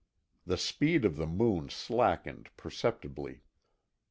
The speed of the Moon slackened perceptibly.